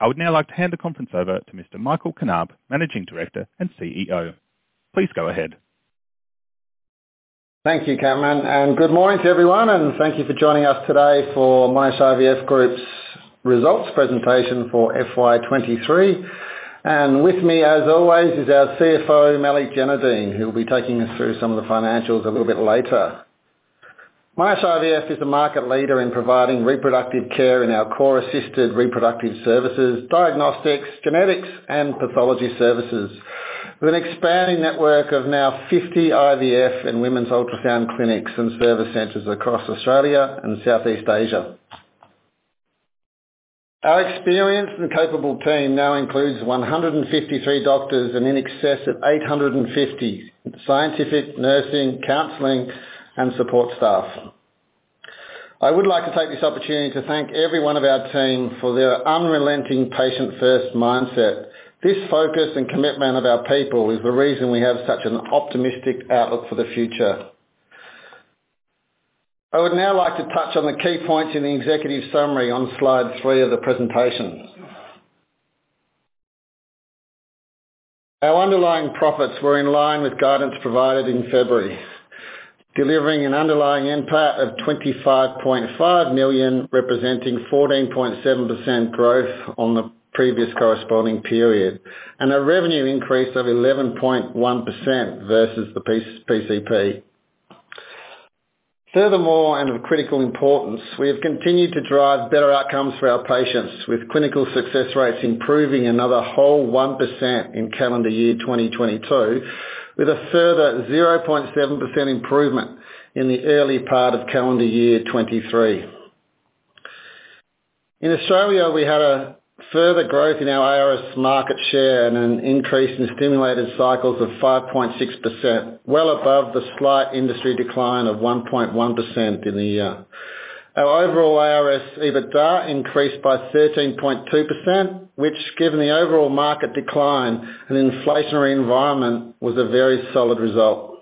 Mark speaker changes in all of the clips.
Speaker 1: I would now like to hand the conference over to Mr. Michael Knaap, Managing Director and CEO. Please go ahead.
Speaker 2: Thank you, Cameron, good morning to everyone, and thank you for joining us today for Monash IVF Group's Results Presentation for FY23. With me, as always, is our CFO, Malik Jainudeen, who will be taking us through some of the financials a little bit later. Monash IVF is a market leader in providing reproductive care in our core assisted reproductive services, diagnostics, genetics, and pathology services, with an expanding network of now 50 IVF and women's ultrasound clinics and service centers across Australia and Southeast Asia. Our experienced and capable team now includes 153 doctors and in excess of 850 scientific, nursing, counseling, and support staff. I would like to take this opportunity to thank every one of our team for their unrelenting patient-first mindset. This focus and commitment of our people is the reason we have such an optimistic outlook for the future. I would now like to touch on the key points in the executive summary on Slide 3 of the presentation. Our underlying profits were in line with guidance provided in February, delivering an underlying NPAT of 25.5 million, representing 14.7% growth on the previous corresponding period, and a revenue increase of 11.1% versus the PCP. Furthermore, of critical importance, we have continued to drive better outcomes for our patients, with clinical success rates improving another whole 1% in calendar year 2022, with a further 0.7% improvement in the early part of calendar year 2023. In Australia, we had a further growth in our ARS market share and an increase in stimulated cycles of 5.6%, well above the slight industry decline of 1.1% in the year. Our overall ARS, EBITDA, increased by 13.2%, which, given the overall market decline and inflationary environment, was a very solid result.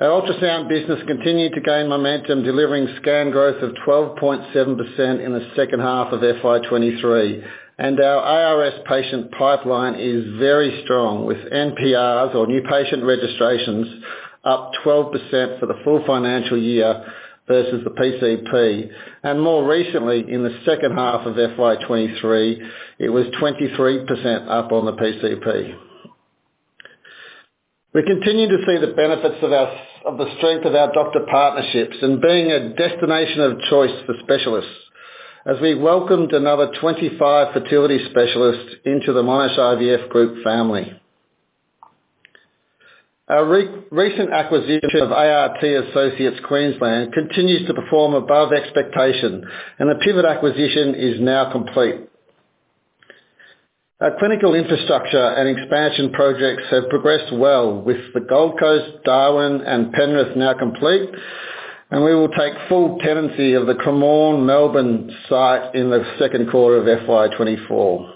Speaker 2: Our ultrasound business continued to gain momentum, delivering scan growth of 12.7% in the second half of FY23. Our IRS patient pipeline is very strong, with NPRs, or New Patient Registrations, up 12% for the full financial year versus the PCP. More recently, in the second half of FY23, it was 23% up on the PCP. We continue to see the benefits of the strength of our doctor partnerships and being a destination of choice for specialists, as we welcomed another 25 fertility specialists into the Monash IVF Group family. Our recent acquisition of ART Associates Queensland continues to perform above expectation, and the PIVET acquisition is now complete. Our clinical infrastructure and expansion projects have progressed well with the Gold Coast, Darwin, and Penrith now complete, and we will take full tenancy of the Cremorne Melbourne site in the second quarter of FY24.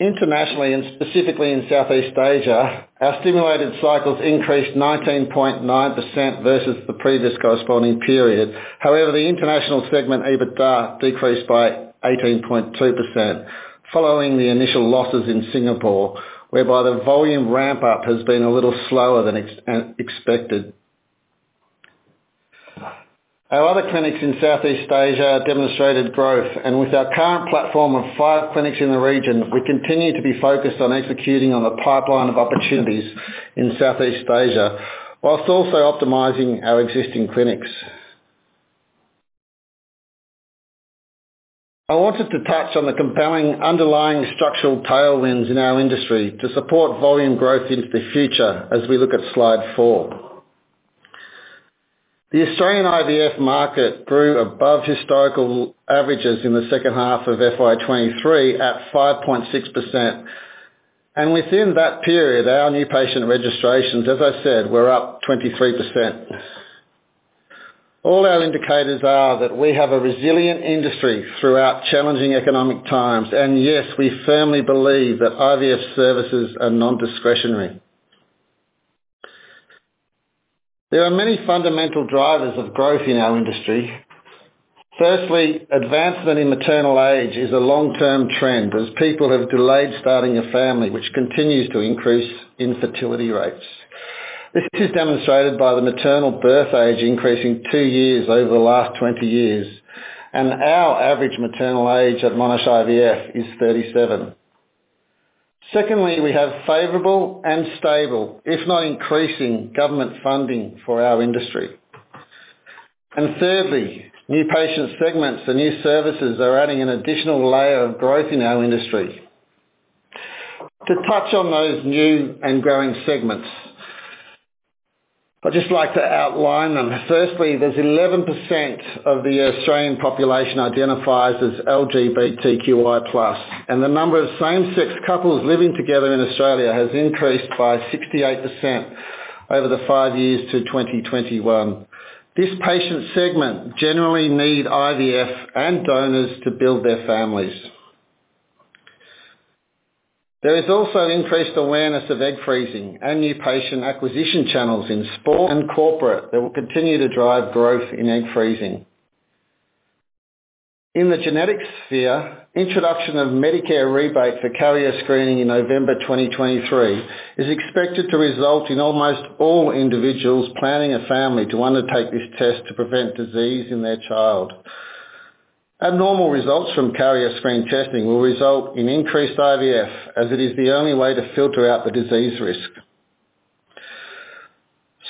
Speaker 2: Internationally, and specifically in Southeast Asia, our stimulated cycles increased 19.9% versus the previous corresponding period. The international segment, EBITDA, decreased by 18.2%, following the initial losses in Singapore, whereby the volume ramp-up has been a little slower than expected. Our other clinics in Southeast Asia demonstrated growth. With our current platform of 5 clinics in the region, we continue to be focused on executing on the pipeline of opportunities in Southeast Asia, whilst also optimizing our existing clinics. I wanted to touch on the compelling underlying structural tailwinds in our industry to support volume growth into the future, as we look at Slide 4. The Australian IVF market grew above historical averages in the second half of FY23 at 5.6%. Within that period, our New Patient Registrations, as I said, were up 23%. All our indicators are that we have a resilient industry throughout challenging economic times. Yes, we firmly believe that IVF services are non-discretionary. There are many fundamental drivers of growth in our industry. Firstly, advancement in maternal age is a long-term trend as people have delayed starting a family, which continues to increase infertility rates. This is demonstrated by the maternal birth age increasing 2 years over the last 20 years, and our average maternal age at Monash IVF is 37. Secondly, we have favorable and stable, if not increasing, government funding for our industry. Thirdly, new patient segments and new services are adding an additional layer of growth in our industry. To touch on those new and growing segments, I'd just like to outline them. Firstly, there's 11% of the Australian population identifies as LGBTQI+, and the number of same-sex couples living together in Australia has increased by 68% over the 5 years to 2021. This patient segment generally need IVF and donors to build their families. There is also increased awareness of egg freezing and new patient acquisition channels in sport and corporate that will continue to drive growth in egg freezing. In the genetic sphere, introduction of Medicare rebate for carrier screening in November 2023, is expected to result in almost all individuals planning a family to undertake this test to prevent disease in their child. Abnormal results from carrier screen testing will result in increased IVF, as it is the only way to filter out the disease risk.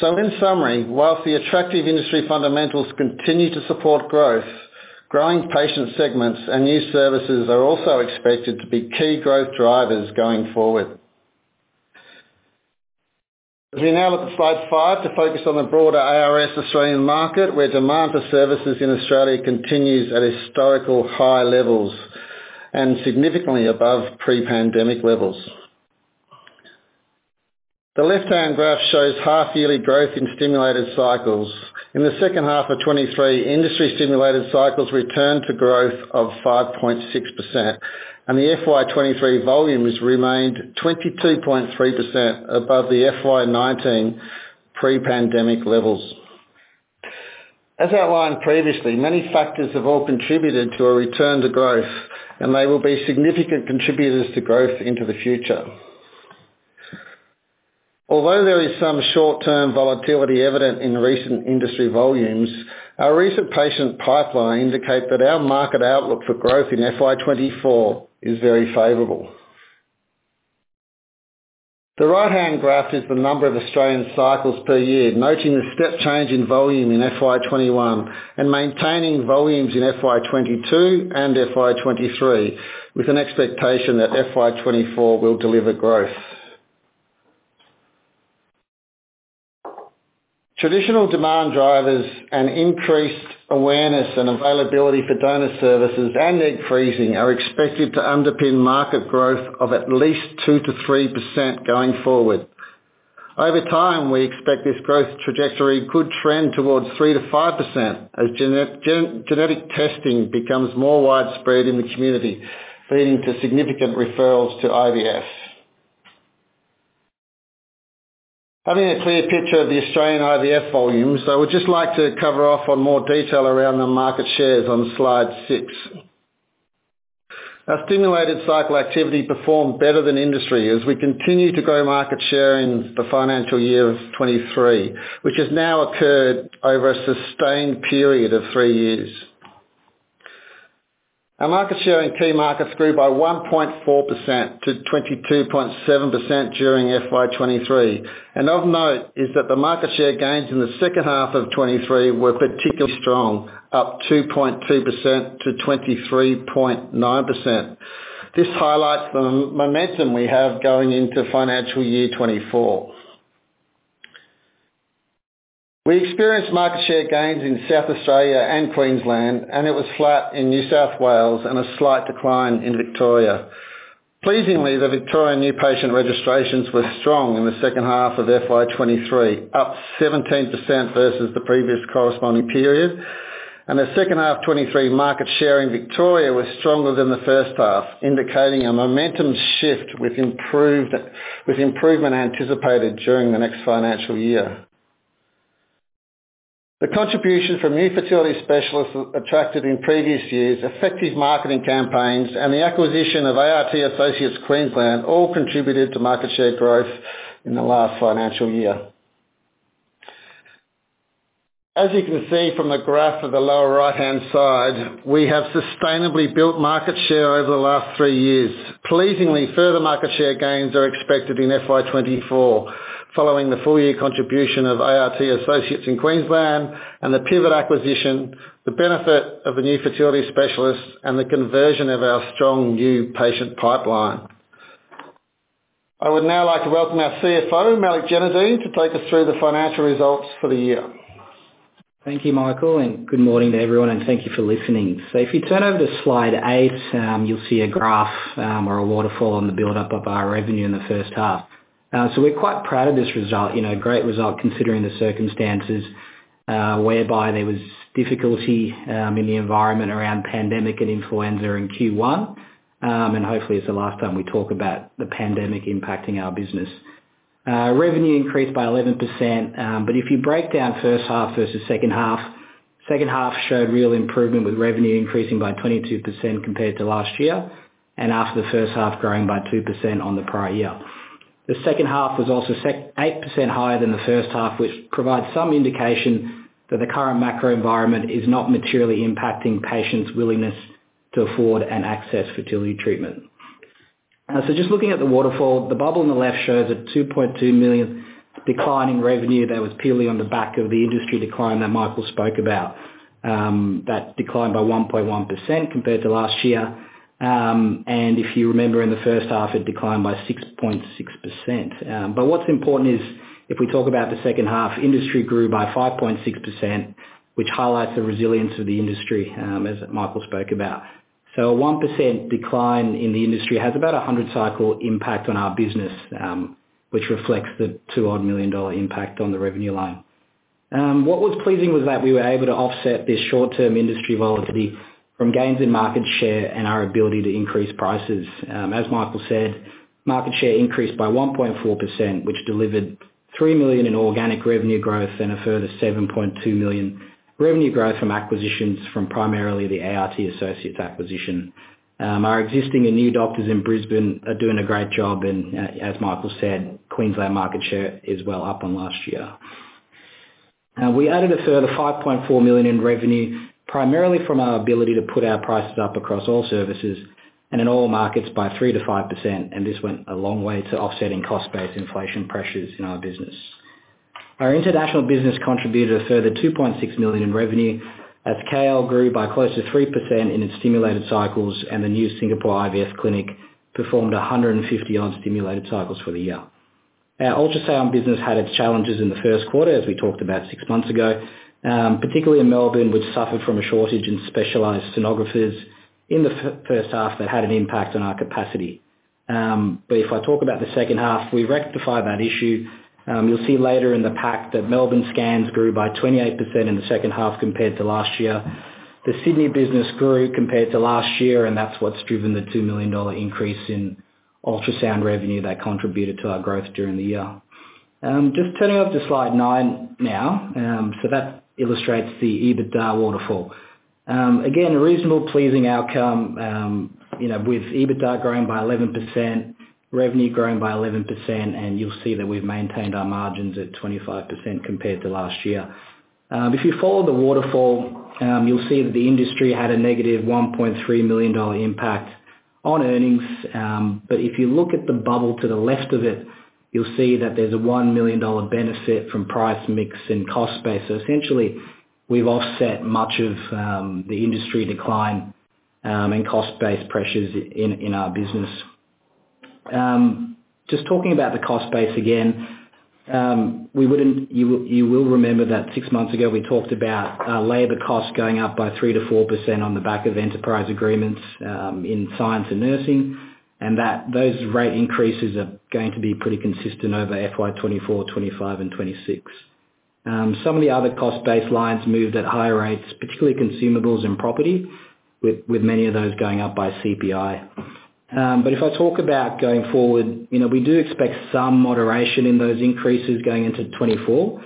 Speaker 2: In summary, whilst the attractive industry fundamentals continue to support growth, growing patient segments and new services are also expected to be key growth drivers going forward. We now look at Slide 5 to focus on the broader ARS Australian market, where demand for services in Australia continues at historical high levels and significantly above pre-pandemic levels. The left-hand graph shows half-yearly growth in stimulated cycles. In the second half of 2023, industry-stimulated cycles returned to growth of 5.6%, and the FY23 volumes remained 22.3% above the FY19 pre-pandemic levels. As outlined previously, many factors have all contributed to a return to growth, and they will be significant contributors to growth into the future. Although there is some short-term volatility evident in recent industry volumes, our recent patient pipeline indicate that our market outlook for growth in FY24 is very favorable. The right-hand graph is the number of Australian cycles per year, noting the step change in volume in FY21, and maintaining volumes in FY22 and FY23, with an expectation that FY24 will deliver growth. Traditional demand drivers and increased awareness and availability for donor services and egg freezing are expected to underpin market growth of at least 2%-3% going forward. Over time, we expect this growth trajectory could trend towards 3%-5%, as genetic testing becomes more widespread in the community, leading to significant referrals to IVF. Having a clear picture of the Australian IVF volumes, I would just like to cover off on more detail around the market shares on Slide 6. Our stimulated cycle activity performed better than industry, as we continue to grow market share in the financial year 2023, which has now occurred over a sustained period of 3 years. Our market share in key markets grew by 1.4%-22.7% during FY23. Of note is that the market share gains in the second half of 2023 were particularly strong, up 2.2%-23.9%. This highlights the momentum we have going into financial year 2024. We experienced market share gains in South Australia and Queensland. It was flat in New South Wales and a slight decline in Victoria. Pleasingly, the Victorian New Patient Registrations were strong in the second half of FY23, up 17% versus the previous corresponding period. The H2 of 2023 market share in Victoria was stronger than the first half, indicating a momentum shift with improvement anticipated during the next financial year. The contribution from new fertility specialists attracted in previous years, effective marketing campaigns, and the acquisition of ART Associates Queensland, all contributed to market share growth in the last financial year. As you can see from the graph on the lower right-hand side, we have sustainably built market share over the last three years. Pleasingly, further market share gains are expected in FY24, following the full year contribution of ART Associates Queensland and the PIVET acquisition, the benefit of the new fertility specialists, and the conversion of our strong new patient pipeline. I would now like to welcome our CFO, Malik Jainudeen, to take us through the financial results for the year.
Speaker 3: Thank you, Michael, and good morning to everyone, and thank you for listening. If you turn over to Slide 8, you'll see a graph, or a waterfall on the build-up of our revenue in the first half. We're quite proud of this result, you know, a great result considering the circumstances, whereby there was difficulty in the environment around pandemic and influenza in Q1. Hopefully, it's the last time we talk about the pandemic impacting our business. Revenue increased by 11%, but if you break down first half versus second half, second half showed real improvement, with revenue increasing by 22% compared to last year, and after the first half, growing by 2% on the prior year. The second half was also 8% higher than the first half, which provides some indication that the current macro environment is not materially impacting patients' willingness to afford and access fertility treatment. Just looking at the waterfall, the bubble on the left shows an 2.2 million decline in revenue that was purely on the back of the industry decline that Michael spoke about, that declined by 1.1% compared to last year. If you remember, in the first half, it declined by 6.6%. What's important is, if we talk about the second half, industry grew by 5.6%, which highlights the resilience of the industry, as Michael spoke about. A 1% decline in the industry has about a 100 cycle impact on our business, which reflects the 2 odd million impact on the revenue line. What was pleasing was that we were able to offset this short-term industry volatility from gains in market share and our ability to increase prices. As Michael said, market share increased by 1.4%, which delivered 3 million in organic revenue growth and a further 7.2 million revenue growth from acquisitions from primarily the ART Associates acquisition. Our existing and new doctors in Brisbane are doing a great job, as Michael said, Queensland market share is well up on last year. We added a further 5.4 million in revenue, primarily from our ability to put our prices up across all services and in all markets by 3%-5%, and this went a long way to offsetting cost-based inflation pressures in our business. Our international business contributed a further 2.6 million in revenue, as KL grew by close to 3% in its stimulated cycles, and the new Singapore IVF clinic performed 150 on stimulated cycles for the year. Our ultrasound business had its challenges in the first quarter, as we talked about 6 months ago. Particularly in Melbourne, which suffered from a shortage in specialized sonographers. In the first half, that had an impact on our capacity. If I talk about the second half, we rectified that issue. You'll see later in the pack that Melbourne scans grew by 28% in the second half compared to last year. The Sydney business grew compared to last year, and that's what's driven the 2 million dollar increase in ultrasound revenue that contributed to our growth during the year. Just turning over to Slide 9 now. That illustrates the EBITDA waterfall. Again, a reasonable, pleasing outcome, you know, with EBITDA growing by 11%, revenue growing by 11%, and you'll see that we've maintained our margins at 25% compared to last year. If you follow the waterfall, you'll see that the industry had a -1.3 million dollar impact on earnings, but if you look at the bubble to the left of it, you'll see that there's a 1 million dollar benefit from price mix and cost base. Essentially, we've offset much of the industry decline and cost base pressures in our business. Just talking about the cost base again, you will remember that 6 months ago, we talked about labor costs going up by 3%-4% on the back of enterprise agreements in science and nursing, and that those rate increases are going to be pretty consistent over FY24, FY25, and FY26. Some of the other cost base lines moved at higher rates, particularly consumables and property, with many of those going up by CPI. If I talk about going forward, you know, we do expect some moderation in those increases going into 2024,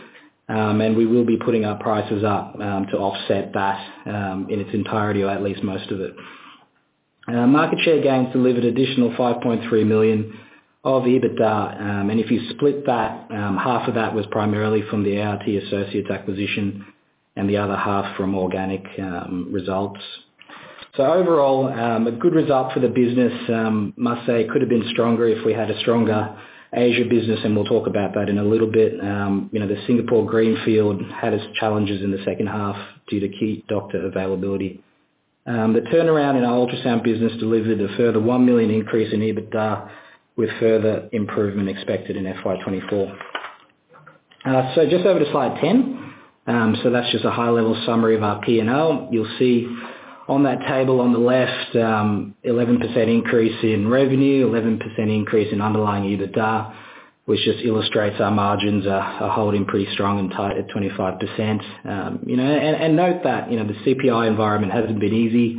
Speaker 3: and we will be putting our prices up to offset that in its entirety, or at least most of it. Market share gains delivered additional 5.3 million of EBITDA, and if you split that, half of that was primarily from the ART Associates acquisition, and the other half from organic results. Overall, a good result for the business. Must say, it could have been stronger if we had a stronger Asia business. We'll talk about that in a little bit. You know, the Singapore greenfield had its challenges in the second half due to key doctor availability. The turnaround in our ultrasound business delivered a further 1 million increase in EBITDA, with further improvement expected in FY24. Just over to Slide 10. That's just a high-level summary of our P&L. You'll see on that table on the left, 11% increase in revenue, 11% increase in underlying EBITDA, which just illustrates our margins are, are holding pretty strong and tight at 25%. You know, and, and note that, you know, the CPI environment hasn't been easy.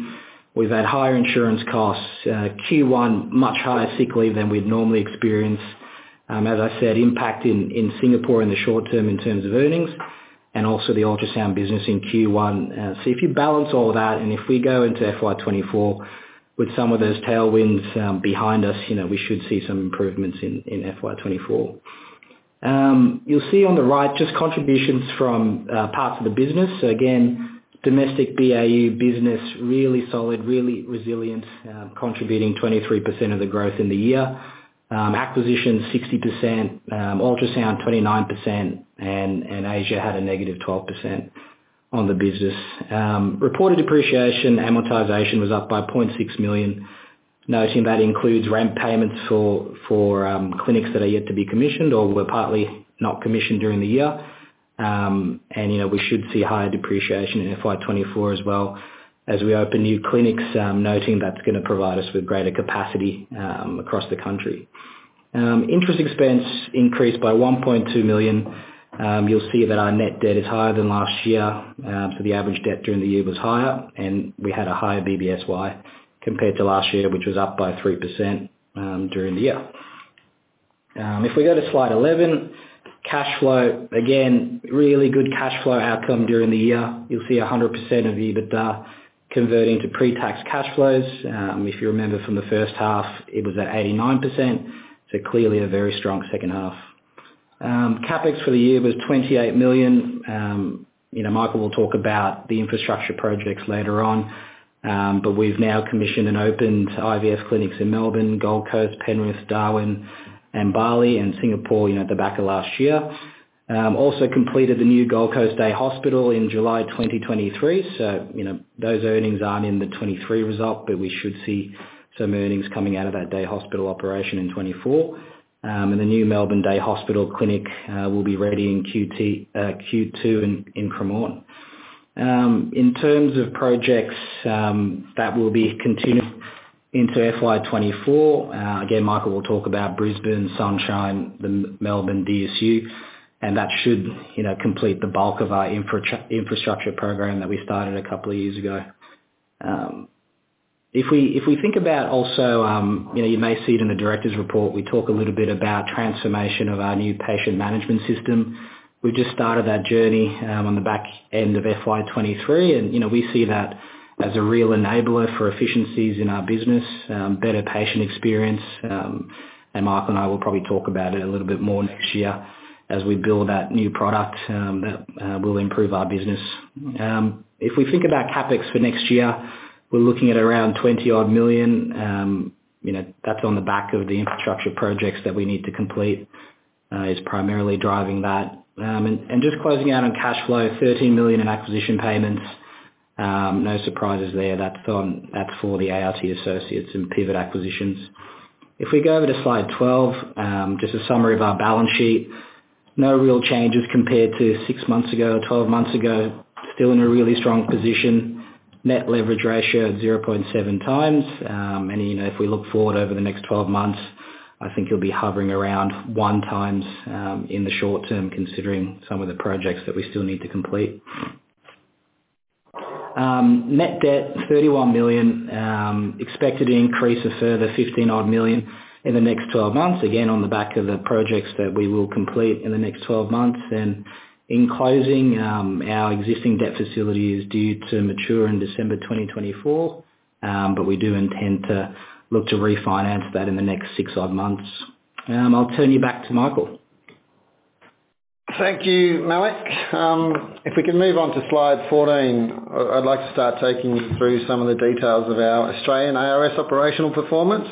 Speaker 3: We've had higher insurance costs, Q1, much higher cyclically than we'd normally experience. As I said, impact in, in Singapore in the short term in terms of earnings, and also the ultrasound business in Q1. So if you balance all of that, and if we go into FY24 with some of those tailwinds, you know, we should see some improvements in FY24. You'll see on the right, just contributions from parts of the business. So again, domestic BAU business, really solid, really resilient, contributing 23% of the growth in the year. Acquisition, 60%, ultrasound, 29%, and Asia had a -12% on the business. Reported depreciation, amortization was up by 0.6 million. Noting that includes ramp payments for clinics that are yet to be commissioned or were partly not commissioned during the year. And, you know, we should see higher depreciation in FY24 as well as we open new clinics, noting that's going to provide us with greater capacity across the country. Interest expense increased by 1.2 million. You'll see that our net debt is higher than last year, so the average debt during the year was higher, and we had a higher BBSY compared to last year, which was up by 3% during the year. If we go to Slide 11, cash flow, again, really good cash flow outcome during the year. You'll see 100% of EBITDA converting to pre-tax cash flows. If you remember from the first half, it was at 89%, so clearly a very strong second half. CapEx for the year was 28 million. You know, Michael will talk about the infrastructure projects later on. We've now commissioned and opened IVF clinics in Melbourne, Gold Coast, Penrith, Darwin, Bali, and Singapore, you know, at the back of last year. Also completed the new Gold Coast Day Hospital in July 2023. You know, those earnings aren't in the 2023 result. We should see some earnings coming out of that day hospital operation in 2024. The new Melbourne Day Hospital Clinic will be ready in Q2 in Cremorne. In terms of projects that will be continued into FY24. Again, Michael will talk about Brisbane, Sunshine, the Melbourne DSU. That should, you know, complete the bulk of our infrastructure program that we started a couple of years ago. If we, if we think about also, you know, you may see it in the directors' report, we talk a little bit about transformation of our new patient management system. We've just started that journey on the back end of FY23, and, you know, we see that as a real enabler for efficiencies in our business, better patient experience, and Michael and I will probably talk about it a little bit more next year as we build that new product that will improve our business. If we think about CapEx for next year, we're looking at around 20 million. You know, that's on the back of the infrastructure projects that we need to complete, is primarily driving that. Just closing out on cash flow, 13 million in acquisition payments. No surprises there. That's on that's for the ART Associates and PIVET acquisitions. If we go over to Slide 12, just a summary of our balance sheet. No real changes compared to 6 months ago or 12 months ago. Still in a really strong position. Net Leverage Ratio at 0.7x. You know, if we look forward over the next 12 months, I think it'll be hovering around 1 times in the short term, considering some of the projects that we still need to complete. Net debt, 31 million, expected to increase a further 15-odd million in the next 12 months, again, on the back of the projects that we will complete in the next 12 months. In closing, our existing debt facility is due to mature in December 2024, but we do intend to look to refinance that in the next 6-odd months. I'll turn you back to Michael.
Speaker 2: Thank you, Malik. If we can move on to Slide 14, I'd like to start taking you through some of the details of our Australian IRS operational performance.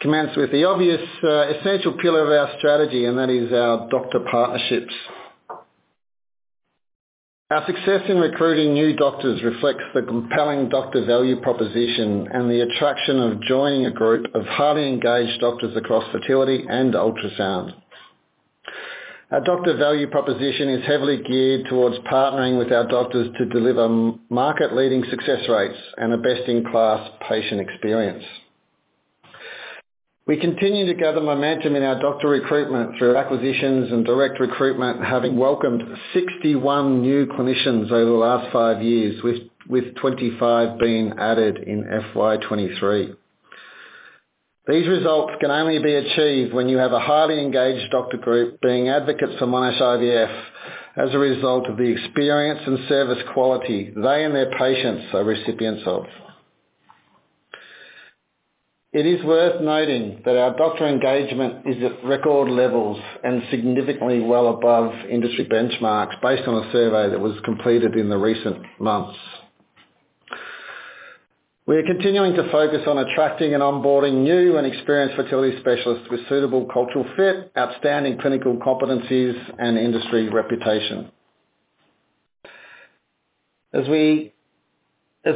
Speaker 2: Commence with the obvious essential pillar of our strategy, and that is our doctor partnerships. Our success in recruiting new doctors reflects the compelling doctor value proposition and the attraction of joining a group of highly engaged doctors across fertility and ultrasound. Our doctor value proposition is heavily geared towards partnering with our doctors to deliver market-leading success rates and a best-in-class patient experience. We continue to gather momentum in our doctor recruitment through acquisitions and direct recruitment, having welcomed 61 new clinicians over the last 5 years, with 25 being added in FY23. These results can only be achieved when you have a highly engaged doctor group being advocates for Monash IVF as a result of the experience and service quality they and their patients are recipients of. It is worth noting that our doctor engagement is at record levels and significantly well above industry benchmarks, based on a survey that was completed in the recent months. We are continuing to focus on attracting and onboarding new and experienced fertility specialists with suitable cultural fit, outstanding clinical competencies, and industry reputation.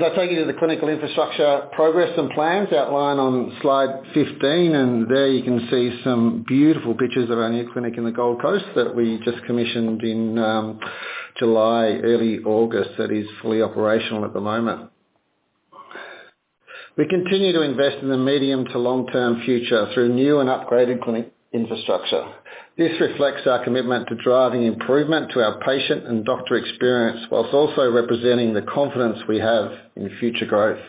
Speaker 2: I take you to the clinical infrastructure progress and plans outlined on Slide 15, and there you can see some beautiful pictures of our new clinic in the Gold Coast that we just commissioned in July, early August, that is fully operational at the moment. We continue to invest in the medium to long-term future through new and upgraded clinic infrastructure. This reflects our commitment to driving improvement to our patient and doctor experience, while also representing the confidence we have in future growth.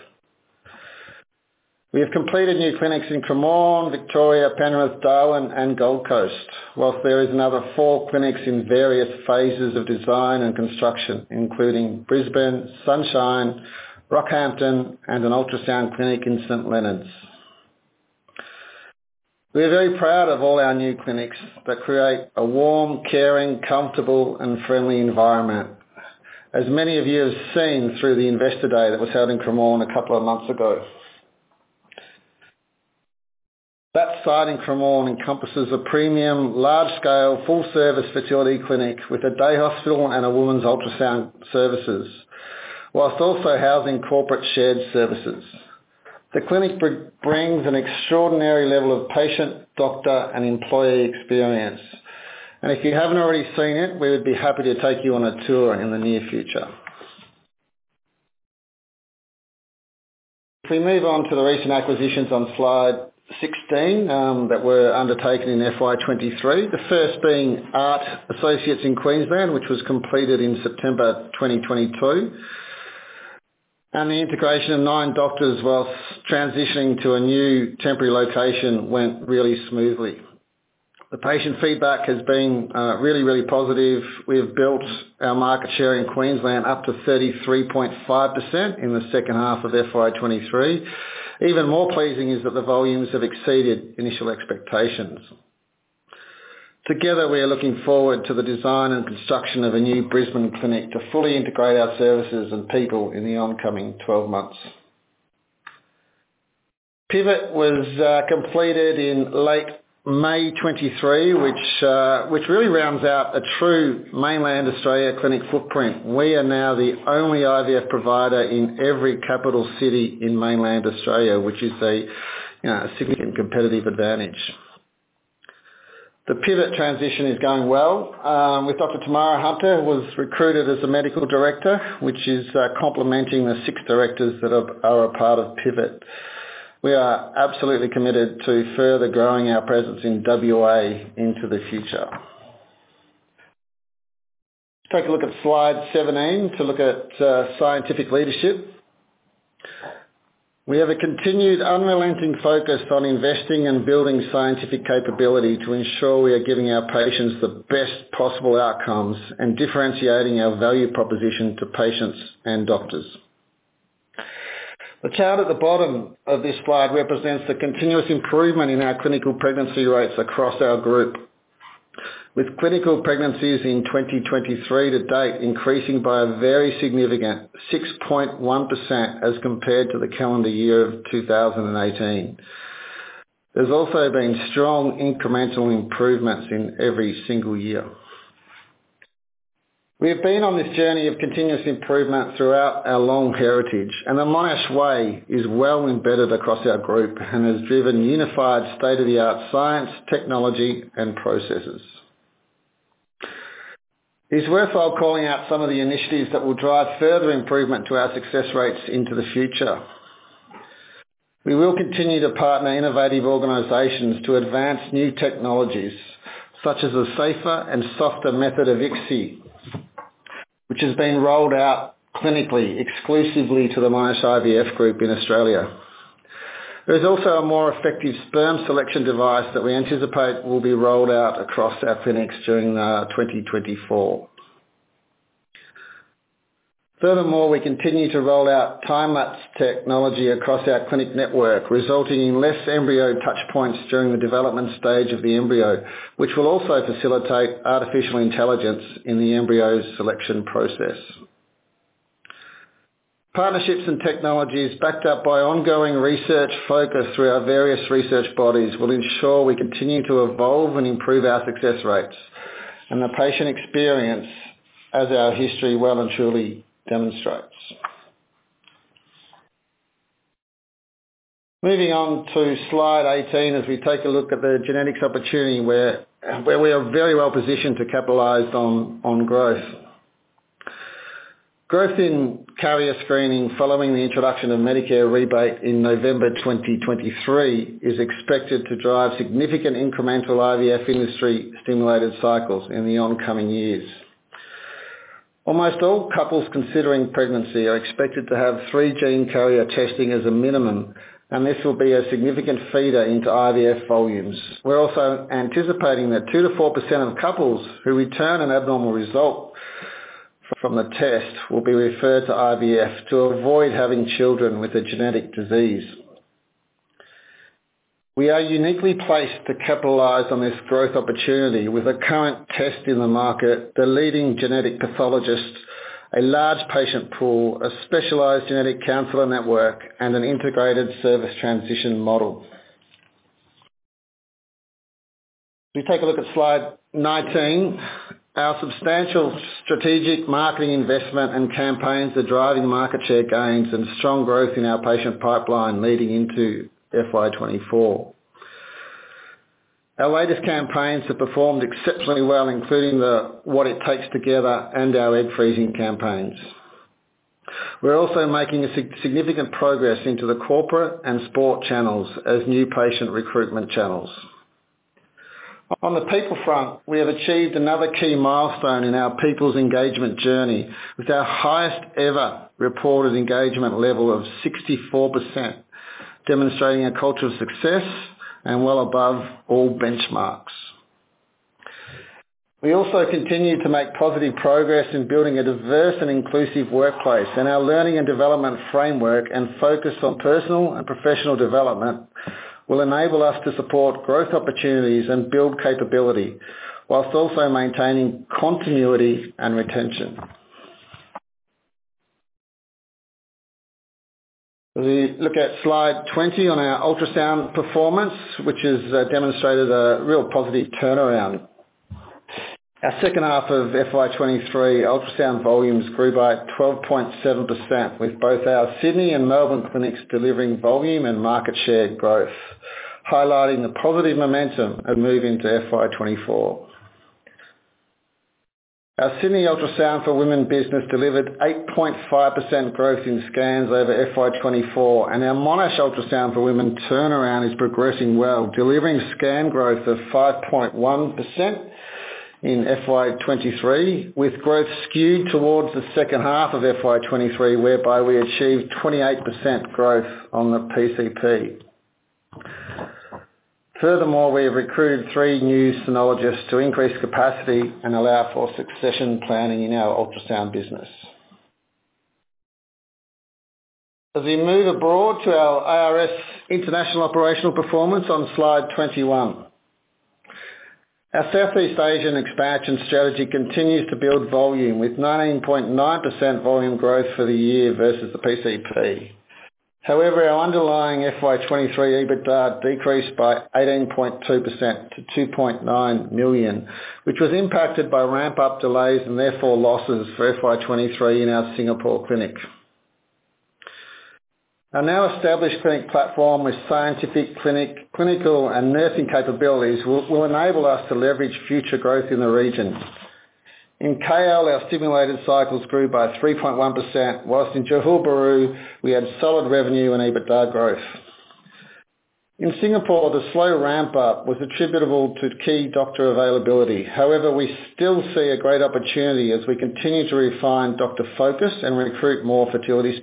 Speaker 2: We have completed new clinics in Cremorne, Victoria, Penrith, Darwin, and Gold Coast, while there is another 4 clinics in various phases of design and construction, including Brisbane, Sunshine, Rockhampton, and an ultrasound clinic in St Leonards. We are very proud of all our new clinics that create a warm, caring, comfortable, and friendly environment. As many of you have seen through the investor day that was held in Cremorne a couple of months ago. That site in Cremorne encompasses a premium, large-scale, full-service fertility clinic with a day hospital and a women's ultrasound services, while also housing corporate shared services. The clinic brings an extraordinary level of patient, doctor, and employee experience, and if you haven't already seen it, we would be happy to take you on a tour in the near future. If we move on to the recent acquisitions on Slide 16, that were undertaken in FY23, the first being ART Associates in Queensland, which was completed in September 2022, and the integration of nine doctors, whilst transitioning to a new temporary location, went really smoothly. The patient feedback has been really, really positive. We have built our market share in Queensland up to 33.5% in the second half of FY23. Even more pleasing is that the volumes have exceeded initial expectations. Together, we are looking forward to the design and construction of a new Brisbane clinic to fully integrate our services and people in the oncoming 12 months. PIVET was completed in late May 2023, which really rounds out a true mainland Australia clinic footprint. We are now the only IVF provider in every capital city in mainland Australia, which is a, you know, significant competitive advantage. The PIVET transition is going well, with Dr. Tamara Hunter, who was recruited as a Medical Director, which is complementing the 6 directors that are a part of PIVET. We are absolutely committed to further growing our presence in WA into the future. Take a look at Slide 17, to look at scientific leadership. We have a continued unrelenting focus on investing and building scientific capability to ensure we are giving our patients the best possible outcomes and differentiating our value proposition to patients and doctors. The chart at the bottom of this Slide represents the continuous improvement in our clinical pregnancy rates across our group, with clinical pregnancies in 2023 to date, increasing by a very significant 6.1% as compared to the calendar year of 2018. There's also been strong incremental improvements in every single year. We have been on this journey of continuous improvement throughout our long heritage, The Monash Way is well embedded across our Group and has driven unified state-of-the-art science, technology, and processes. It's worthwhile calling out some of the initiatives that will drive further improvement to our success rates into the future. We will continue to partner innovative organizations to advance new technologies, such as a safer and softer method of ICSI, which is being rolled out clinically, exclusively to the Monash IVF Group in Australia. There is also a more effective sperm selection device that we anticipate will be rolled out across our clinics during 2024. Furthermore, we continue to roll out time-lapse technology across our clinic network, resulting in less embryo touch points during the development stage of the embryo, which will also facilitate artificial intelligence in the embryo selection process. Partnerships and technologies, backed up by ongoing research focus through our various research bodies, will ensure we continue to evolve and improve our success rates and the patient experience, as our history well and truly demonstrates. Moving on to Slide 18, as we take a look at the genetics opportunity, where we are very well positioned to capitalize on growth. Growth in carrier screening, following the introduction of Medicare rebate in November 2023, is expected to drive significant incremental IVF industry-stimulated cycles in the oncoming years. Almost all couples considering pregnancy are expected to have 3-gene carrier screening as a minimum, and this will be a significant feeder into IVF volumes. We're also anticipating that 2%-4% of couples who return an abnormal result from the test, will be referred to IVF to avoid having children with a genetic disease. We are uniquely placed to capitalize on this growth opportunity with a current test in the market, the leading genetic pathologists, a large patient pool, a specialized genetic counselor network, and an integrated service transition model. If you take a look at Slide 19, our substantial strategic marketing investment and campaigns are driving market share gains and strong growth in our patient pipeline leading into FY2024. Our latest campaigns have performed exceptionally well, including the What it takes, together and our egg freezing campaigns. We're also making significant progress into the corporate and sport channels as new patient recruitment channels. On the people front, we have achieved another key milestone in our people's engagement journey, with our highest ever reported engagement level of 64%, demonstrating a culture of success and well above all benchmarks. We also continue to make positive progress in building a diverse and inclusive workplace. Our learning and development framework, and focus on personal and professional development, will enable us to support growth opportunities and build capability, while also maintaining continuity and retention. We look at Slide 20 on our ultrasound performance, which has demonstrated a real positive turnaround. Our second half of FY23 ultrasound volumes grew by 12.7%, with both our Sydney and Melbourne clinics delivering volume and market share growth, highlighting the positive momentum of moving to FY24. Our Sydney Ultrasound for Women business delivered 8.5% growth in scans over FY24. Our Monash Ultrasound for Women turnaround is progressing well, delivering scan growth of 5.1% in FY23, with growth skewed towards the second half of FY23, whereby we achieved 28% growth on the PCP. Furthermore, we have recruited three new sonologists to increase capacity and allow for succession planning in our ultrasound business. As we move abroad to our IRS international operational performance on Slide 21. Our Southeast Asian expansion strategy continues to build volume, with 19.9% volume growth for the year versus the PCP. Our underlying FY23 EBITDA decreased by 18.2% to 2.9 million, which was impacted by ramp-up delays and therefore losses for FY23 in our Singapore clinic. Our now established clinic platform with scientific, clinical, and nursing capabilities will enable us to leverage future growth in the region. In KL, our stimulated cycles grew by 3.1%, while in Johor Bahru, we had solid revenue and EBITDA growth. In Singapore, the slow ramp-up was attributable to key doctor availability. However, we still see a great opportunity as we continue to refine doctor focus and recruit more fertility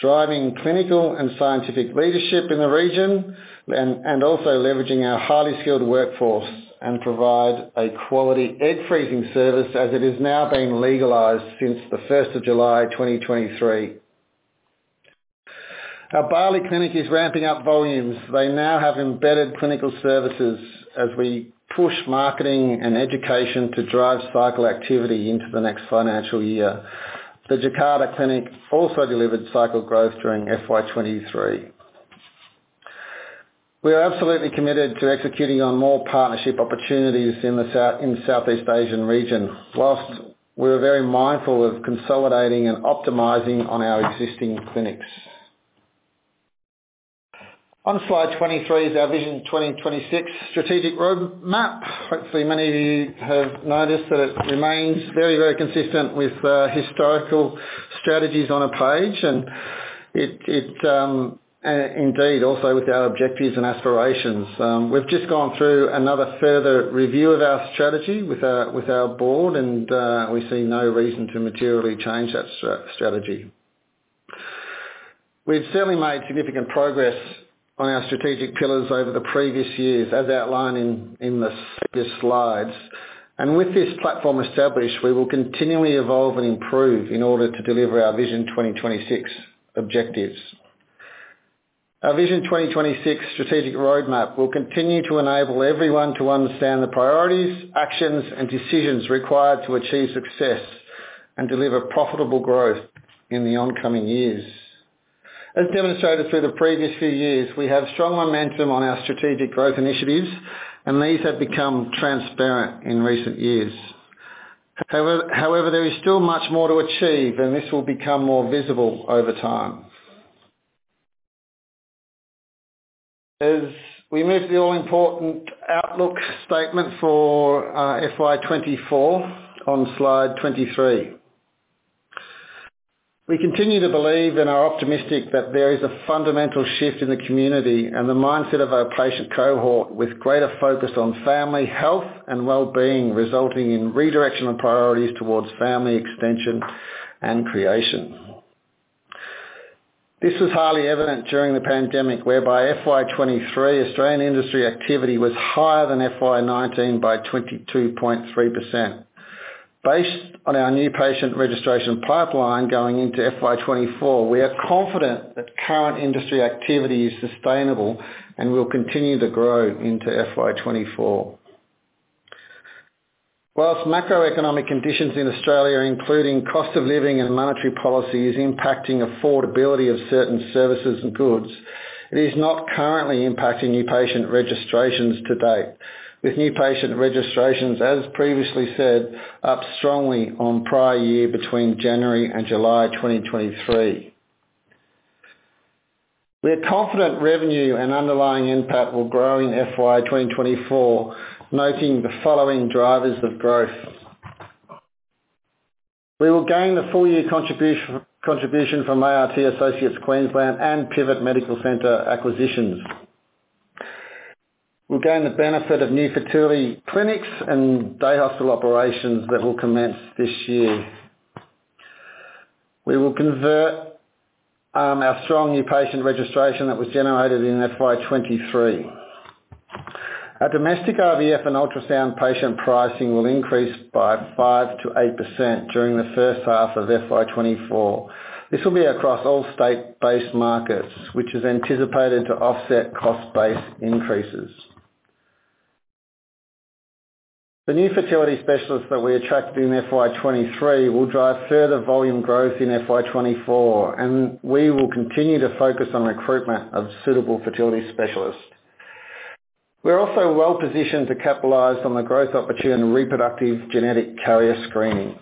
Speaker 2: specialists, driving clinical and scientific leadership in the region, and also leveraging our highly skilled workforce, and provide a quality egg freezing service, as it is now being legalized since the first of July, 2023. Our Bali clinic is ramping up volumes. They now have embedded clinical services as we push marketing and education to drive cycle activity into the next financial year. The Jakarta clinic also delivered cycle growth during FY23. We are absolutely committed to executing on more partnership opportunities in the Southeast Asian region, whilst we're very mindful of consolidating and optimizing on our existing clinics. On Slide 23 is our Vision 2026 strategic roadmap. Hopefully, many of you have noticed that it remains very, very consistent with historical strategies on a page, and it, it, indeed, also with our objectives and aspirations. We've just gone through another further review of our strategy with our, with our board, and we see no reason to materially change that strategy. We've certainly made significant progress on our strategic pillars over the previous years, as outlined in, in the previous Slides. With this platform established, we will continually evolve and improve in order to deliver our Vision 2026 objectives. Our Vision 2026 strategic roadmap will continue to enable everyone to understand the priorities, actions, and decisions required to achieve success and deliver profitable growth in the oncoming years. As demonstrated through the previous few years, we have strong momentum on our strategic growth initiatives, and these have become transparent in recent years. However, however, there is still much more to achieve, and this will become more visible over time. As we move to the all-important outlook statement for FY24 on Slide 23. We continue to believe and are optimistic that there is a fundamental shift in the community and the mindset of our patient cohort, with greater focus on family health and well-being, resulting in redirection of priorities towards family extension and creation. This was highly evident during the pandemic, whereby FY23 Australian industry activity was higher than FY19 by 22.3%. Based on our New Patient Registrations pipeline going into FY24, we are confident that current industry activity is sustainable and will continue to grow into FY24. Whilst macroeconomic conditions in Australia, including cost of living and monetary policy, is impacting affordability of certain services and goods, it is not currently impacting New Patient Registrations to date. With New Patient Registrations, as previously said, up strongly on prior year, between January and July 2023. We are confident revenue and underlying NPAT will grow in FY24, noting the following drivers of growth: We will gain the full-year contribution from ART Associates Queensland and PIVET Medical Centre acquisitions. We'll gain the benefit of new fertility clinics and day hospital operations that will commence this year. We will convert our strong New Patient Registrations that was generated in FY23. Our domestic IVF and ultrasound patient pricing will increase by 5% to 8% during the first half of FY24. This will be across all state-based markets, which is anticipated to offset cost-based increases. The new fertility specialists that we attracted in FY23 will drive further volume growth in FY24. We will continue to focus on recruitment of suitable fertility specialists. We're also well positioned to capitalize on the growth opportunity in reproductive genetic carrier screening.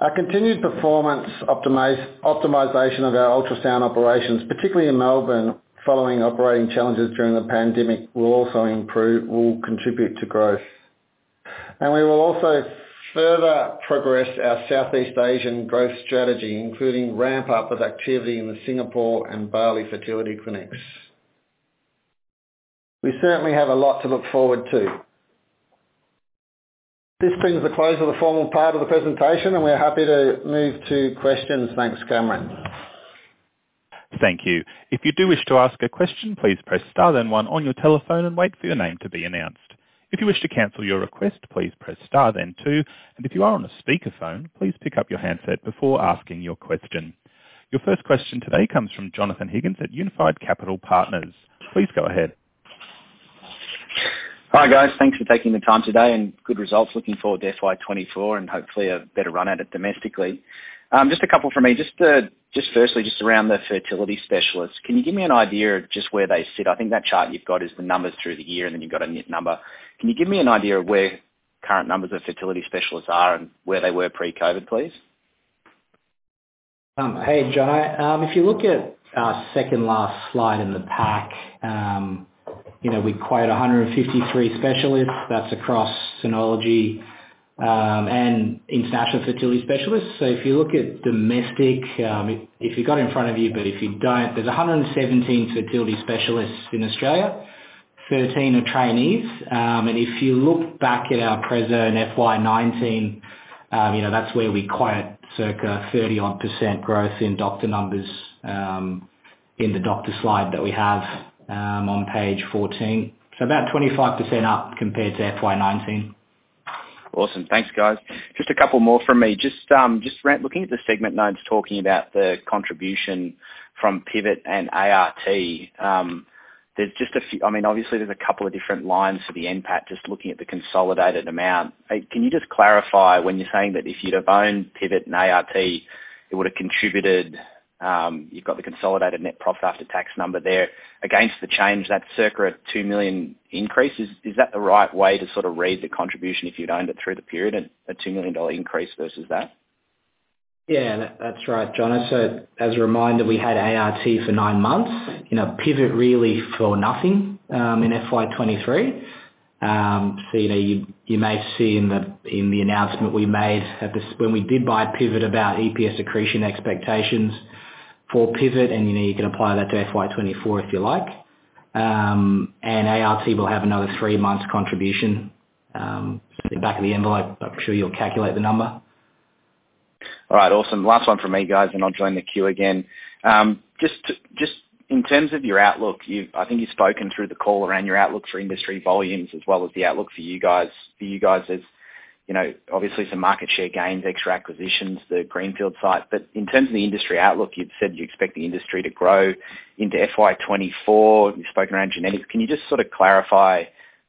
Speaker 2: Our continued performance optimization of our ultrasound operations, particularly in Melbourne, following operating challenges during the pandemic, will contribute to growth. We will also further progress our Southeast Asian growth strategy, including ramp up of activity in the Singapore and Bali fertility clinics. We certainly have a lot to look forward to. This brings a close to the formal part of the presentation, and we are happy to move to questions. Thanks, Cameron.
Speaker 1: Thank you. If you do wish to ask a question, please press star then one on your telephone and wait for your name to be announced. If you wish to cancel your request, please press star then two. If you are on a speakerphone, please pick up your handset before asking your question. Your first question today comes from Jonathon Higgins at Unified Capital Partners. Please go ahead.
Speaker 4: Hi, guys. Thanks for taking the time today and good results. Looking forward to FY24 and hopefully a better run at it domestically. just a couple from me. Just firstly, just around the fertility specialists, can you give me an idea of just where they sit? I think that chart you've got is the numbers through the year, and then you've got a nit number. Can you give me an idea of where current numbers of fertility specialists are and where they were pre-COVID, please?
Speaker 3: Hey, John. If you look at our second-last Slide in the pack, you know, we quote 153 specialists, that's across Gynaecology and international fertility specialists. If you look at domestic, if you got it in front of you, but if you don't, there's 117 fertility specialists in Australia, 13 are trainees. If you look back at our present FY19, you know, that's where we quote circa 30% odd growth in doctor numbers in the doctor Slide that we have on page 14. About 25% up compared to FY19.
Speaker 4: Awesome. Thanks, guys. Just a couple more from me. Just Brent, looking at the segment notes, talking about the contribution from PIVET and ART. There's just a few, I mean, obviously there's a couple of different lines for the NPAT, just looking at the consolidated amount. Can you just clarify when you're saying that if you'd have owned PIVET and ART, it would have contributed, you've got the consolidated net profit after tax number there against the change, that circa 2 million increase. Is that the right way to sort of read the contribution if you'd owned it through the period at, at 2 million dollar increase versus that?
Speaker 3: Yeah, that, that's right, Jon. As a reminder, we had ART for 9 months, you know, PIVET really for nothing in FY23. You know, you, you may see in the announcement we made when we did buy PIVET about EPS accretion expectations for PIVET, and, you know, you can apply that to FY24 if you like. ART will have another 3 months contribution in the back of the envelope. I'm sure you'll calculate the number.
Speaker 4: All right, awesome. Last one from me, guys, and I'll join the queue again. Just in terms of your outlook, you've I think you've spoken through the call around your outlook for industry volumes as well as the outlook for you guys as, you know, obviously some market share gains, extra acquisitions, the greenfield site. In terms of the industry outlook, you've said you expect the industry to grow into FY24. You've spoken around genetics. Can you just sort of clarify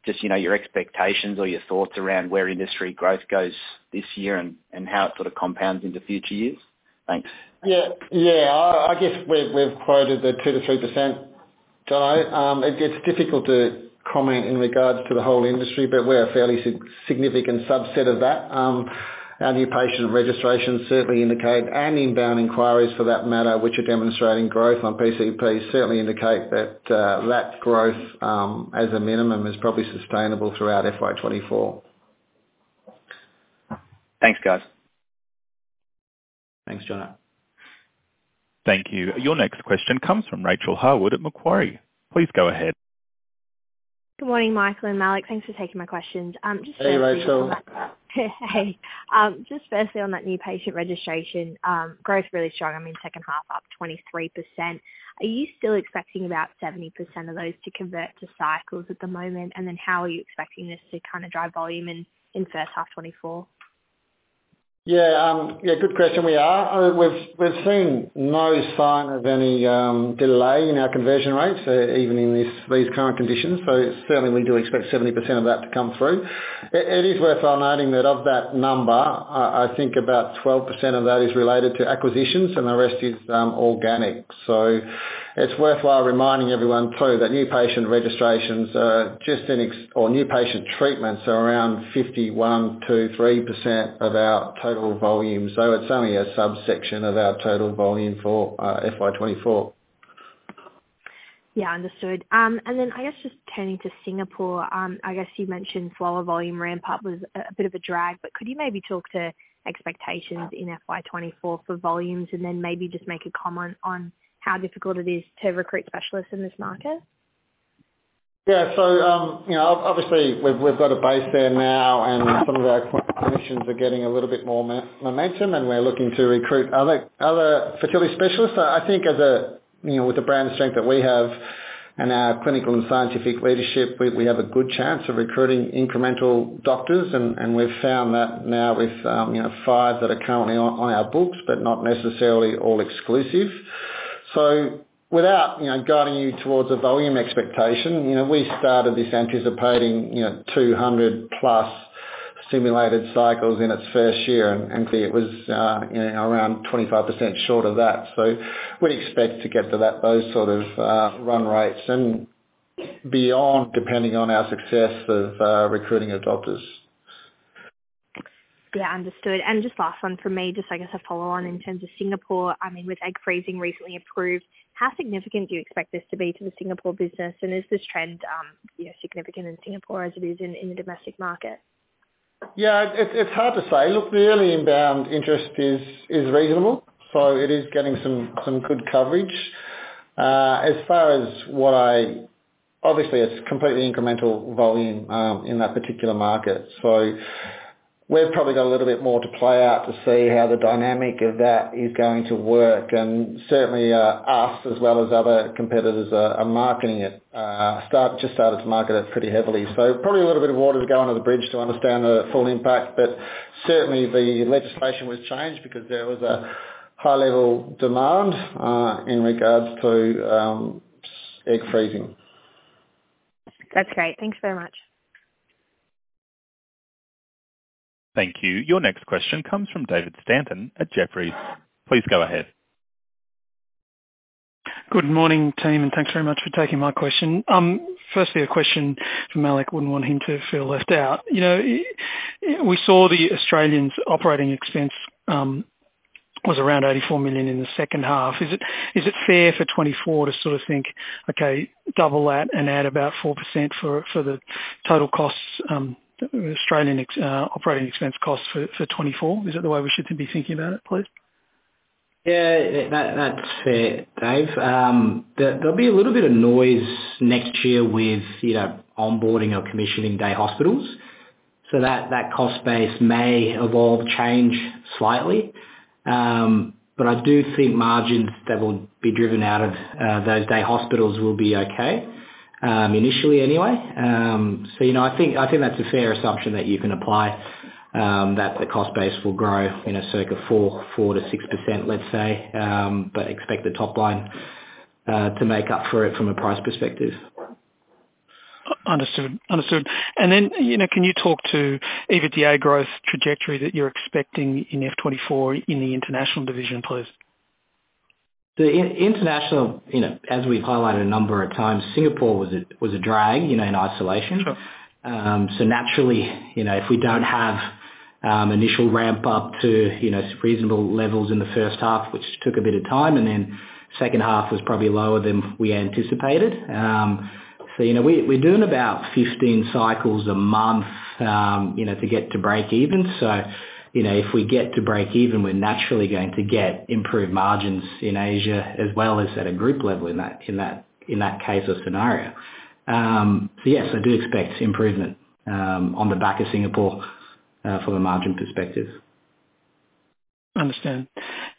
Speaker 4: just, you know, your expectations or your thoughts around where industry growth goes this year and how it sort of compounds into future years? Thanks.
Speaker 2: Yeah. Yeah, I, I guess we've, we've quoted the 2%-3% guide. It gets difficult to comment in regards to the whole industry, but we're a fairly significant subset of that. Our New Patient Registrations certainly indicate and inbound inquiries for that matter, which are demonstrating growth on PCP, certainly indicate that that growth, as a minimum, is probably sustainable throughout FY24.
Speaker 4: Thanks, guys.
Speaker 3: Thanks, Jon.
Speaker 1: Thank you. Your next question comes from Rachel Harwood at Macquarie. Please go ahead.
Speaker 5: Good morning, Michael and Malik. Thanks for taking my questions.
Speaker 2: Hey, Rachel.
Speaker 5: Hey. Just firstly, on that New Patient Registration, growth really strong. I mean, second half up 23%. Are you still expecting about 70% of those to convert to cycles at the moment? Then how are you expecting this to kind of drive volume in, in first half 2024?
Speaker 2: Yeah, good question. We are. We've seen no sign of any delay in our conversion rates, even in these current conditions, so certainly we do expect 70% of that to come through. It is worthwhile noting that of that number, I think about 12% of that is related to acquisitions, and the rest is organic. It's worthwhile reminding everyone, too, that New Patient Registrations are just or new patient treatments are around 51, 2, 3% of our total volume. It's only a subsection of our total volume for FY24.
Speaker 5: Yeah. Understood. I guess just turning to Singapore, I guess you mentioned slower volume ramp up was a, a bit of a drag, but could you maybe talk to expectations in FY24 for volumes, and then maybe just make a comment on how difficult it is to recruit specialists in this market?
Speaker 2: Yeah. Obviously, we've, we've got a base there now, and some of our clinicians are getting a little bit more mo-momentum, and we're looking to recruit other, other fertility specialists. I, I think as a, you know, with the brand strength that we have and our clinical and scientific leadership, we, we have a good chance of recruiting incremental doctors, and, and we've found that now with, you know, five that are currently on, on our books, but not necessarily all exclusive. Without, you know, guiding you towards a volume expectation, you know, we started this anticipating, you know, 200+ stimulated cycles in its first year, and, it was, you know, around 25% short of that. We expect to get to that, those sort of run rates and beyond, depending on our success of recruiting of doctors.
Speaker 5: Yeah. Understood. Just last one from me, just I guess a follow on in terms of Singapore, I mean, with egg freezing recently approved, how significant do you expect this to be to the Singapore business? Is this trend, you know, significant in Singapore as it is in, in the domestic market?
Speaker 2: Yeah, it's, it's hard to say. Look, the early inbound interest is, is reasonable, so it is getting some, some good coverage. As far as what I... Obviously, it's completely incremental volume in that particular market. We've probably got a little bit more to play out to see how the dynamic of that is going to work. Certainly, us, as well as other competitors are, are marketing it, just started to market it pretty heavily. Probably a little bit of water to go under the bridge to understand the full impact, but certainly the legislation was changed because there was a high level demand in regards to egg freezing.
Speaker 5: That's great. Thank you very much.
Speaker 1: Thank you. Your next question comes from David Stanton at Jefferies. Please go ahead.
Speaker 6: Good morning, team, and thanks very much for taking my question. Firstly, a question for Malik. Wouldn't want him to feel left out. You know, I, we saw Australia's operating expense was around 84 million in the second half. Is it, is it fair for 2024 to sort of think, okay, double that and add about 4% for, for the total costs, Australian operating expense costs for, for 2024? Is that the way we should be thinking about it, please?
Speaker 3: Yeah, yeah, that, that's fair, Dave. There, there'll be a little bit of noise next year with, you know, onboarding or commissioning day hospitals. That, that cost base may evolve, change slightly. I do think margins that will be driven out of those day hospitals will be okay initially anyway. You know, I think, I think that's a fair assumption that you can apply that the cost base will grow in a circa 4-6%, let's say, expect the top line to make up for it from a price perspective.
Speaker 6: understood. Understood. You know, can you talk to EBITDA growth trajectory that you're expecting in FY24 in the international division, please?
Speaker 3: The international, you know, as we've highlighted a number of times, Singapore was a drag, you know, in isolation.
Speaker 6: Sure.
Speaker 3: Naturally, you know, if we don't have, initial ramp up to, you know, reasonable levels in the first half, which took a bit of time, and then second half was probably lower than we anticipated. You know, we're, we're doing about 15 cycles a month, you know, to get to breakeven. You know, if we get to breakeven, we're naturally going to get improved margins in Asia as well as at a group level in that, in that, in that case or scenario. Yes, I do expect improvement, on the back of Singapore, from a margin perspective.
Speaker 6: Understand.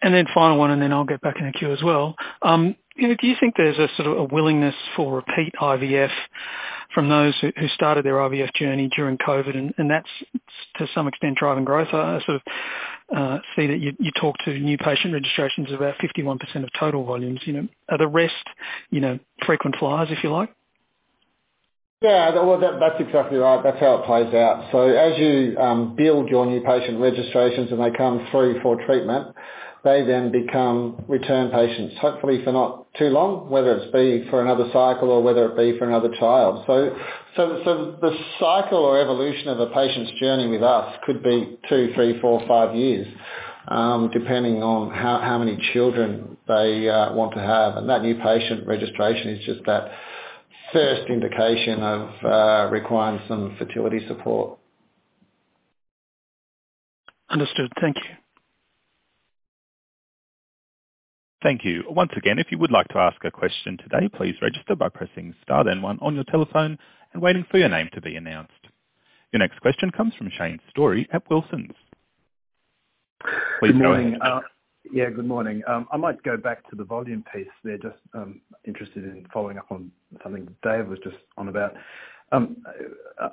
Speaker 6: Then final one. Then I'll get back in the queue as well. you know, do you think there's a sort of a willingness for repeat IVF from those who, who started their IVF journey during COVID, and, and that's, to some extent, driving growth? I, I sort of see that you, you talked to New Patient Registrations, about 51% of total volumes, you know, are the rest, you know, frequent flyers, if you like?
Speaker 2: Yeah, well, that, that's exactly right. That's how it plays out. As you build your New Patient Registrations and they come through for treatment, they then become return patients, hopefully for not too long, whether it's be for another cycle or whether it be for another child. So, so, so the cycle or evolution of a patient's journey with us could be two, three, four, five years, depending on how, how many children they want to have, and that New Patient Registration is just that first indication of requiring some fertility support.
Speaker 6: Understood. Thank you.
Speaker 1: Thank you. Once again, if you would like to ask a question today, please register by pressing star then 1 on your telephone and waiting for your name to be announced. Your next question comes from Shane Storey at Wilsons.
Speaker 7: Good morning.
Speaker 1: Please go ahead.
Speaker 7: Yeah, good morning. I might go back to the volume piece there. Just interested in following up on something Dave was just on about. I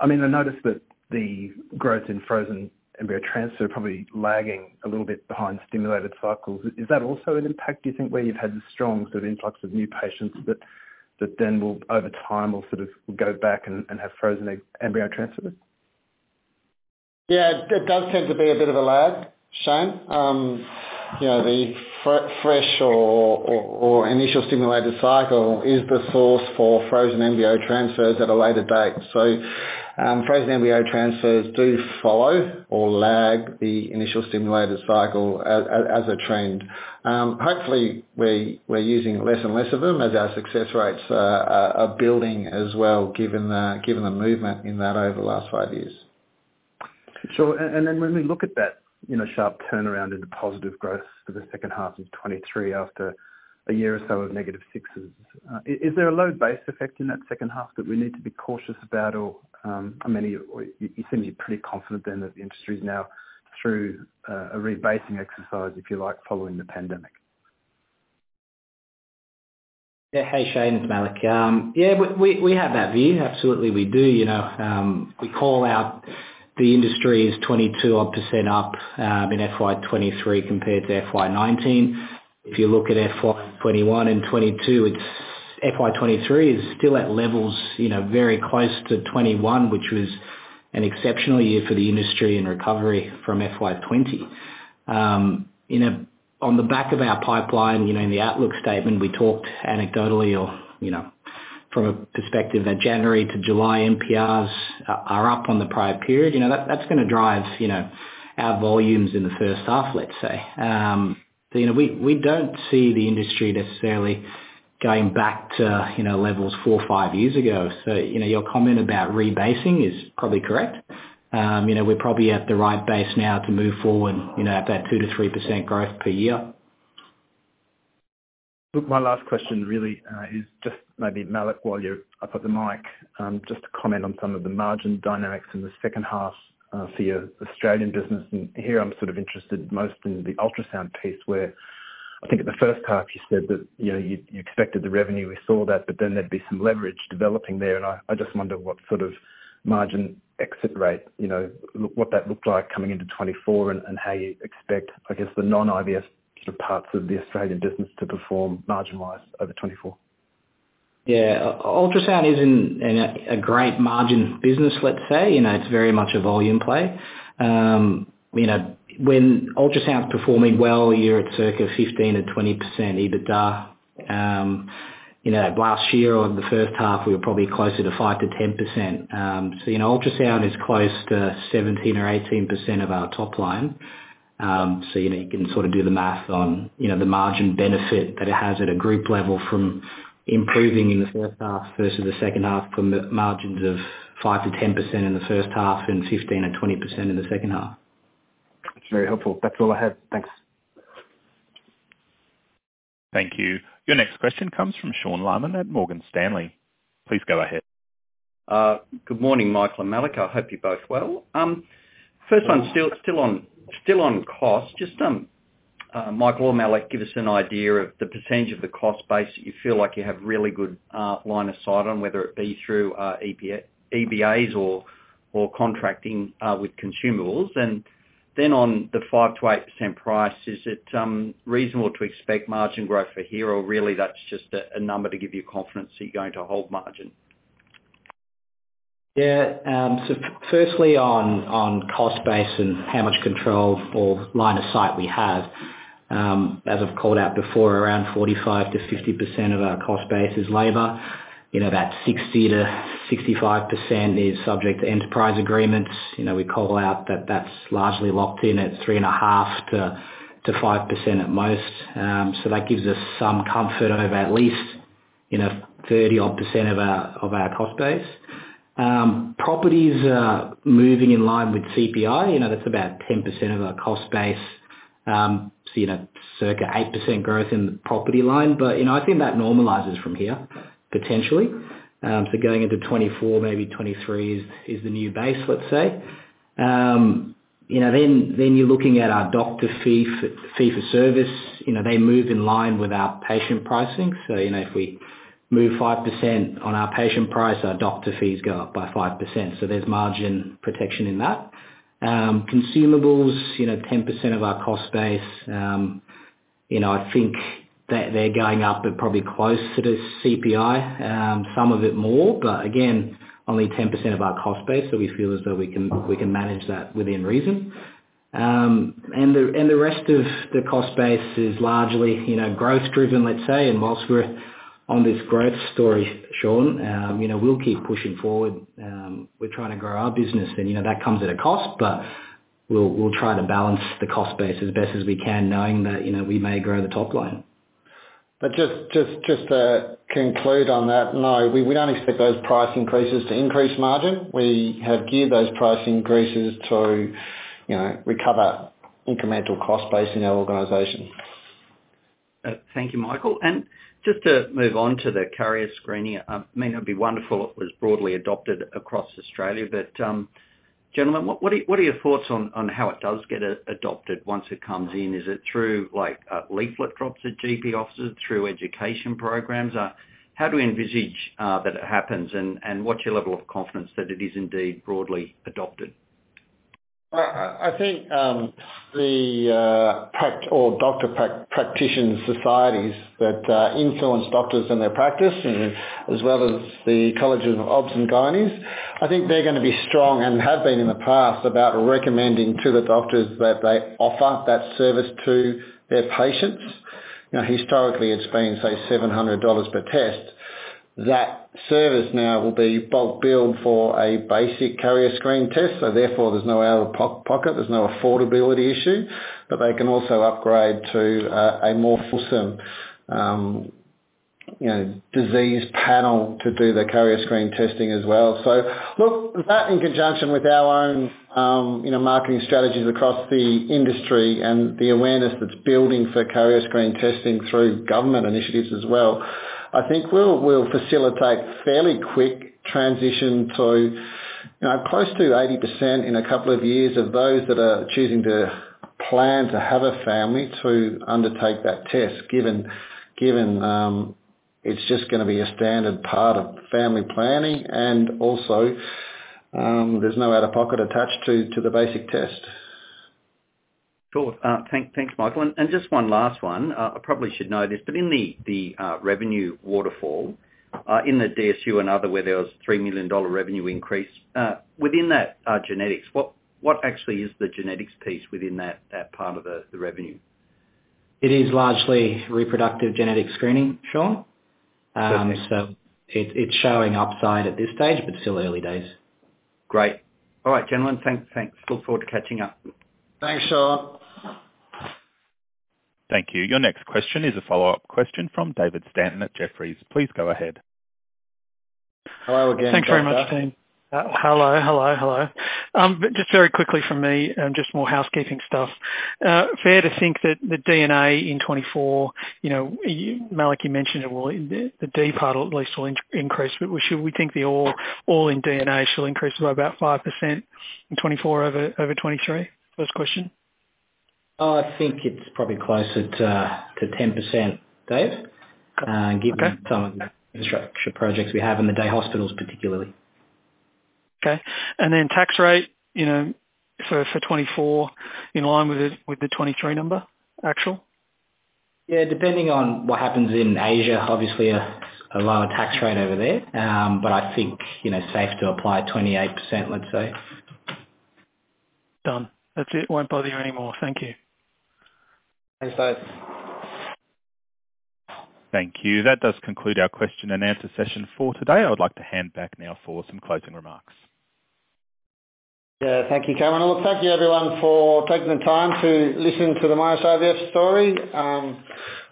Speaker 7: mean, I noticed that the growth in frozen embryo transfer probably lagging a little bit behind stimulated cycles. Is that also an impact, do you think, where you've had a strong sort of influx of new patients that, that then will, over time, will sort of go back and, and have frozen egg embryo transfers?
Speaker 2: Yeah, it does tend to be a bit of a lag, Shane. You know, the fresh or, or, or initial stimulated cycle is the source for frozen embryo transfers at a later date. Frozen embryo transfers do follow or lag the initial stimulated cycle as, as, as a trend. Hopefully, we're, we're using less and less of them as our success rates are, are, are building as well, given the, given the movement in that over the last five years.
Speaker 7: Sure. Then when we look at that, you know, sharp turnaround into positive growth for the second half of 23 after a year or so of negative 6s, is there a low base effect in that second half that we need to be cautious about? Or, how many. You, you seem to be pretty confident then, that the industry's now through, a rebasing exercise, if you like, following the pandemic?
Speaker 3: Yeah. Hey, Shane, it's Malik. Yeah, we, we, we have that view. Absolutely, we do. You know, we call out the industry is 22% odd up in FY23 compared to FY19. If you look at FY21 and 22, it's FY23 is still at levels, you know, very close to 21, which was an exceptional year for the industry and recovery from FY20. You know, on the back of our pipeline, you know, in the outlook statement, we talked anecdotally or, you know, from a perspective that January to July, NPRs are up on the prior period. You know, that, that's gonna drive, you know, our volumes in the first half, let's say. You know, we, we don't see the industry necessarily going back to, you know, levels four or five years ago. You know, your comment about rebasing is probably correct. You know, we're probably at the right base now to move forward, you know, at that 2%-3% growth per year.
Speaker 7: Look, my last question really is just maybe, Malik, while you're up at the mic, just to comment on some of the margin dynamics in the second half for your Australian business. Here I'm sort of interested most in the ultrasound piece, where I think in the first half you said that, you know, you, you expected the revenue. We saw that, but then there'd be some leverage developing there, and I, I just wonder what sort of margin exit rate, you know, what that looked like coming into 2024 and how you expect, I guess, the non-IVF sort of parts of the Australian business to perform margin-wise over 2024.
Speaker 3: Yeah, ultrasound isn't in a, a great margin business, let's say. You know, it's very much a volume play. You know, when ultrasound's performing well, you're at circa 15%-20% EBITDA. You know, last year on the first half, we were probably closer to 5%-10%. So, you know, ultrasound is close to 17% or 18% of our top line. So, you know, you can sort of do the math on, you know, the margin benefit that it has at a group level from improving in the first half versus the second half, from the margins of 5%-10% in the first half and 15%-20% in the second half.
Speaker 6: That's very helpful. That's all I have. Thanks.
Speaker 1: Thank you. Your next question comes from Sean Laaman at Morgan Stanley. Please go ahead.
Speaker 8: Good morning, Michael and Malik. I hope you're both well. First one, still, still on, still on cost. Just Michael or Malik, give us an idea of the percentage of the cost base that you feel like you have really good line of sight on, whether it be through EBAs or contracting with consumables. Then on the 5%-8% price, is it reasonable to expect margin growth for here, or really that's just a number to give you confidence that you're going to hold margin?
Speaker 3: Yeah, firstly, on, on cost base and how much control or line of sight we have, as I've called out before, around 45%-50% of our cost base is labor. You know, about 60%-65% is subject to enterprise agreements. You know, we call out that that's largely locked in at 3.5%-5% at most. That gives us some comfort over at least, you know, 30% odd of our, of our cost base. Properties are moving in line with CPI, you know, that's about 10% of our cost base. You know, circa 8% growth in the property line, but, you know, I think that normalizes from here, potentially. Going into 2024, maybe 2023 is, is the new base, let's say. you know, then, then you're looking at our doctor fee for service, you know, they move in line with our patient pricing. you know, if we move 5% on our patient price, our doctor fees go up by 5%, so there's margin protection in that. Consumables, you know, 10% of our cost base, you know, I think they're going up at probably closer to CPI, some of it more, but again, only 10% of our cost base, so we feel as though we can, we can manage that within reason. The, and the rest of the cost base is largely, you know, growth driven, let's say. Whilst we're on this growth story, Sean, you know, we'll keep pushing forward. We're trying to grow our business, and, you know, that comes at a cost, but we'll, we'll try to balance the cost base as best as we can, knowing that, you know, we may grow the top line.
Speaker 2: Just to conclude on that, no, we don't expect those price increases to increase margin. We have geared those price increases to, you know, recover incremental cost base in our organization.
Speaker 8: Thank you, Michael. Just to move on to the carrier screening, I mean, it would be wonderful if it was broadly adopted across Australia, but, gentlemen, what, what are, what are your thoughts on, on how it does get adopted once it comes in? Is it through, like, leaflet drops at GP offices, through education programs? How do we envisage that it happens, and, and what's your level of confidence that it is indeed broadly adopted?
Speaker 2: I think, the practitioners societies that influence doctors in their practice, as well as the colleges of obs and gynes, I think they're gonna be strong, and have been in the past, about recommending to the doctors that they offer that service to their patients. You know, historically, it's been, say, 700 dollars per test. That service now will be bulk billed for a basic carrier screen test, so therefore, there's no out-of-pocket, there's no affordability issue. They can also upgrade to a more fulsome, you know, disease panel to do the carrier screen testing as well. look, that in conjunction with our own, you know, marketing strategies across the industry and the awareness that's building for carrier screen testing through government initiatives as well, I think we'll, we'll facilitate fairly quick transition to, you know, close to 80% in 2 years of those that are choosing to plan to have a family, to undertake that test, given, given, it's just gonna be a standard part of family planning, and also, there's no out-of-pocket attached to, to the basic test.
Speaker 8: Cool. Thank, thanks, Michael. Just one last one. I probably should know this, but in the, the, revenue waterfall, in the DSU and other, where there was 3 million dollar revenue increase, within that, genetics, what, what actually is the genetics piece within that, that part of the, the revenue?
Speaker 3: It is largely reproductive genetic screening, Sean. It's showing upside at this stage, but still early days.
Speaker 8: Great. All right, gentlemen, thanks, thanks. Look forward to catching up.
Speaker 2: Thanks, Sean.
Speaker 1: Thank you. Your next question is a follow-up question from David Stanton at Jefferies. Please go ahead.
Speaker 2: Hello again, David.
Speaker 6: Thanks very much, Dean. hello, hello, hello. just very quickly from me, just more housekeeping stuff. fair to think that the D&A in 2024, you know, you, Malik, you mentioned it will... The D part at least will increase, we should we think the all, all in D&A shall increase by about 5% in 2024 over, over 2023? First question.
Speaker 3: I think it's probably closer to, to 10%, Dave, given some of the infrastructure projects we have in the day hospitals particularly.
Speaker 6: Okay. Then tax rate, you know, for 2024, in line with the 2023 number actual?
Speaker 3: Yeah, depending on what happens in Asia, obviously a, a lower tax rate over there. I think, you know, safe to apply 28%, let's say.
Speaker 6: Done. That's it, won't bother you anymore. Thank you.
Speaker 3: Thanks, Dave.
Speaker 1: Thank you. That does conclude our question and answer session for today. I would like to hand back now for some closing remarks.
Speaker 2: Yeah, thank you, Cameron. Well, thank you everyone for taking the time to listen to the Monash IVF story.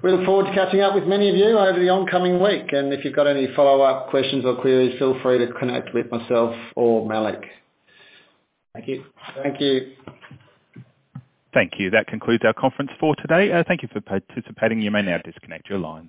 Speaker 2: Really look forward to catching up with many of you over the oncoming week, and if you've got any follow-up questions or queries, feel free to connect with myself or Malik.
Speaker 3: Thank you.
Speaker 2: Thank you.
Speaker 1: Thank you. That concludes our conference for today. Thank you for participating. You may now disconnect your lines.